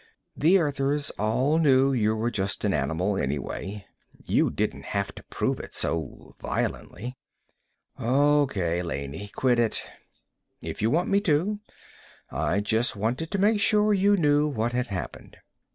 "The Earthers all knew you were just an animal anyway. You didn't have to prove it so violently." "Okay, Laney. Quit it." "If you want me to. I just wanted to make sure you knew what had happened.